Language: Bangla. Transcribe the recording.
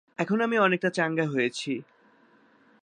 এখন আমি অনেকটা চাঙ্গা হয়েছি।